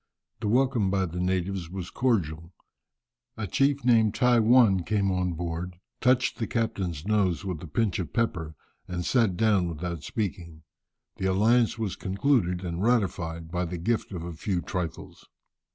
The welcome by the natives was cordial. A chief named Tai One came on board, touched the captain's nose with a pinch of pepper, and sat down without speaking. The alliance was concluded and ratified by the gift of a few trifles.